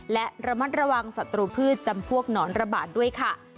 และระมัดระวังศัตรูพืชจำพวกหนอนระบาดด้วยค่ะ